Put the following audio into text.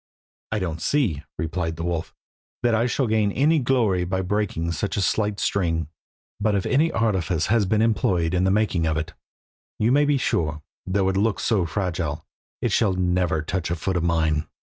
"I don't see," replied the wolf, "that I shall gain any glory by breaking such a slight string, but if any artifice has been employed in the making of it, you may be sure, though it looks so fragile, it shall never touch foot of mine."